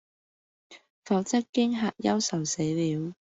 否則驚嚇憂愁死了，